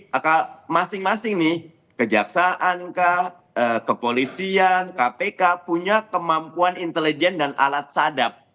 maka masing masing nih kejaksaan kepolisian kpk punya kemampuan intelijen dan alat sadap